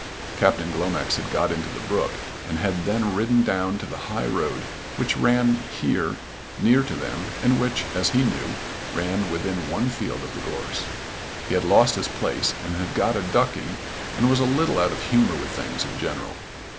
Captain Glomax had got into the brook, and had then ridden down to the high road which ran here near to them and which, as he knew, ran within one field of the gorse. He had lost his place and had got a ducking and was a little out of humour with things in general.